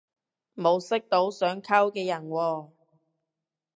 冇識到想溝嘅人喎